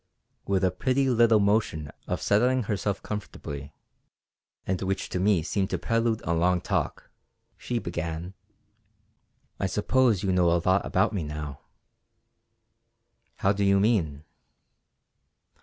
With a pretty little motion of settling herself comfortably, and which to me seemed to prelude a long talk, she began: "I suppose you know a lot about me now?" "How do you mean?"